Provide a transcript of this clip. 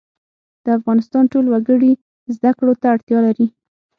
د افغانستان ټول وګړي زده کړو ته اړتیا لري